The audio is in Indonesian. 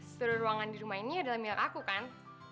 seluruh ruangan di rumah ini adalah milik aku kan